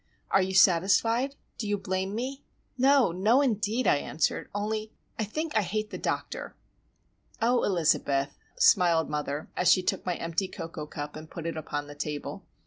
Are you satisfied? Do you blame me?" "No, no, indeed!" I answered. "Only,—I think I hate the doctor!" "Oh, Elizabeth!" smiled mother, as she took my empty cocoa cup and put it upon the table.